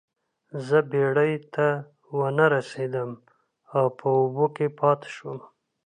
زه بیړۍ ته ونه رسیدم او په اوبو کې پاتې شوم.